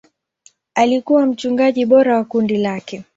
Alikuwa mchungaji bora wa kundi lake.